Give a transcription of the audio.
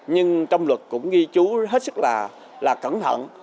nhưng trong luật cũng ghi chú hết sức là cẩn thận